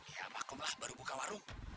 ya makumlah baru buka warung